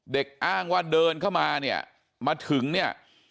อ้างว่าเดินเข้ามาเนี่ยมาถึงเนี่ย